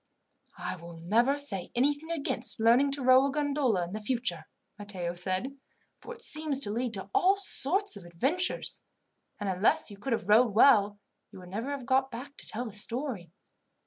"I will never say anything against learning to row a gondola in future," Matteo said, "for it seems to lead to all sorts of adventures; and unless you could have rowed well, you would never have got back to tell the story.